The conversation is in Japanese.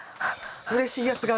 うれしいやつがある。